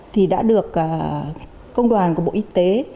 thì đã được công đoàn của bộ y tế